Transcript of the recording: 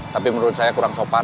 tapi menurut saya kurang sopan